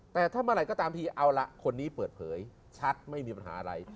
แต่ถ้าเมื่อไหร่ก็ตามทีเอาล่ะคนนี้เปิดเผยชัดไม่มีปัญหาอะไร